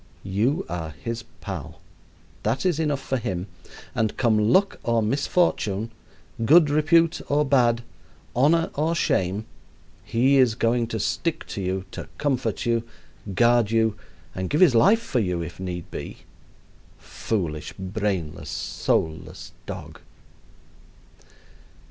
You are his pal. That is enough for him, and come luck or misfortune, good repute or bad, honor or shame, he is going to stick to you, to comfort you, guard you, and give his life for you if need be foolish, brainless, soulless dog!